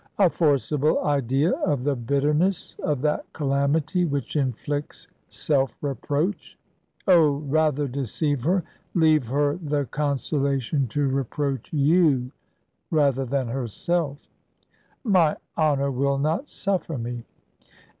"A forcible idea of the bitterness of that calamity which inflicts self reproach! Oh, rather deceive her; leave her the consolation to reproach you rather than herself." "My honour will not suffer me."